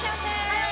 はい！